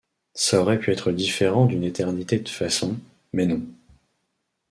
Ça aurait pu être différent d’une éternité de façons, mais non.